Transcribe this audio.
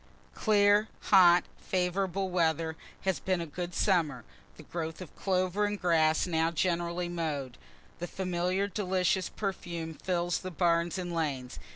_ Clear, hot, favorable weather has been a good summer the growth of clover and grass now generally mow'd. The familiar delicious perfume fills the barns and lanes.